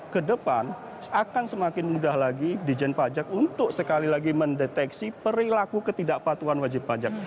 kedepan akan semakin mudah lagi dijen pajak untuk sekali lagi mendeteksi perilaku ketidakpatuan wajib pajak